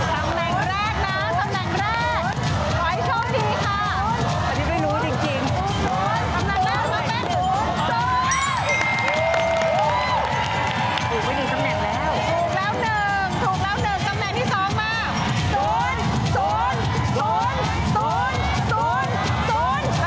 ตำแหน่งแรกก่อนถึงที่โชคดีค่ะ